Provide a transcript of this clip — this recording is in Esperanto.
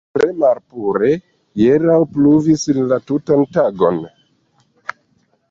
Tre malpure; hieraŭ pluvis la tutan tagon.